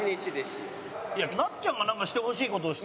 いやなっちゃんがなんかしてほしい事をして。